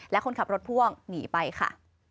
และคนขับรถพ่วงหนีไปค่ะ